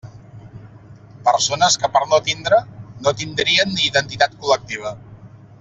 Persones que, per no tindre no tindrien ni identitat col·lectiva.